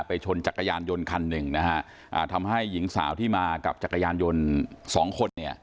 ชนจักรยานยนต์คันหนึ่งนะฮะอ่าทำให้หญิงสาวที่มากับจักรยานยนต์สองคนเนี่ย